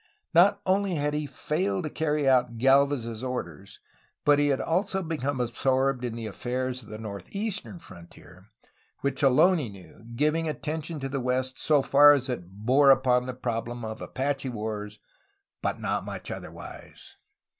Not only had he failed to carry out Gdlvez^s orders, but he had also become absorbed in the affairs of the northeastern frontier, which alone he knew, giving at tention to the west so far as it bore upon the problem of Apache wars, but not much otherwise.